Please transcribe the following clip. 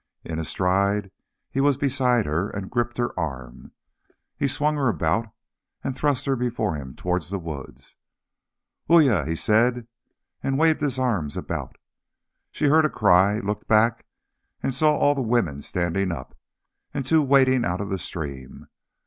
In a stride he was beside her, and gripped her arm. He swung her about, and thrust her before him towards the woods. "Uya," he said, and waved his arms about. She heard a cry, looked back, and saw all the women standing up, and two wading out of the stream.